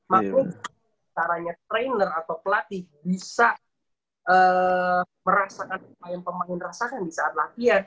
maka caranya trainer atau pelatih bisa merasakan apa yang pemain rasakan di saat latihan